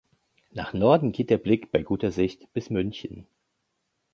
Nach Norden geht der Blick bei guter Sicht bis München.